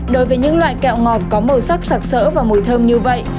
đối với những loại kẹo ngọt có màu sắc sạc sỡ và mùi thơm như vậy